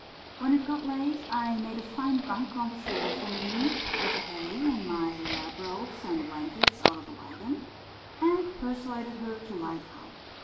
"When it got late I made a fine bunk on the floor for Mame with the hay and my lap robes and blankets out of the wagon, and persuaded her to lie down.